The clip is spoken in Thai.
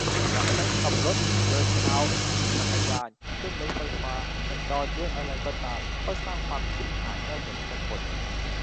จะให้ขับรถ เดินเท้า ขี่จักรยาน ขึ้นรถไฟฟ้า สัญจรด้วยอะไรก็ตาม ก็สร้างความชิบหายได้เหมือนกันหมด